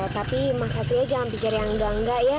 tapi mas satria jangan pikir yang enggak enggak ya